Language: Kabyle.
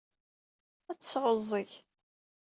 Ad tesɛuẓẓeg.